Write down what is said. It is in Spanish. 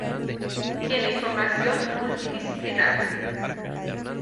Tiene formación multidisciplinar.